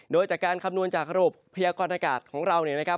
โดยจากการคำนวณจากระบบพยากรณากาศของเราเนี่ยนะครับ